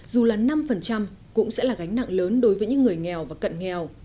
dù là năm cũng sẽ là gánh nặng lớn đối với những người nghèo và cận nghèo